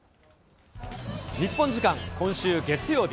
日本時間、今週月曜日。